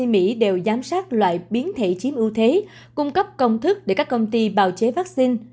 mỹ đều giám sát loại biến thể chiếm ưu thế cung cấp công thức để các công ty bào chế vaccine